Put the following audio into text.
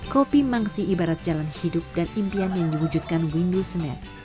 kopi mangsi ibarat jalan hidup dan impian yang diwujudkan windu senen